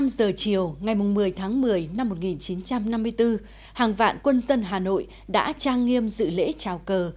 một mươi giờ chiều ngày một mươi tháng một mươi năm một nghìn chín trăm năm mươi bốn hàng vạn quân dân hà nội đã trang nghiêm dự lễ trào cờ